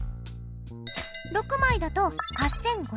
６枚だと８５００円。